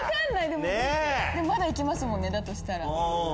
でもまだ行けますもんねだとしたら。